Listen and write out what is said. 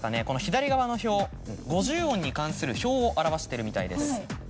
この左側の表５０音に関する表を表してるみたいです。